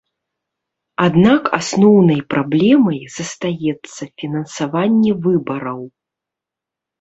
Аднак асноўнай праблемай застаецца фінансаванне выбараў.